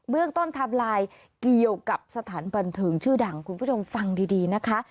เรื่องต้นไทม์ไลน์เกี่ยวกับสถานบันเทิงชื่อดังคุณผู้ชมฟังดีนะคะ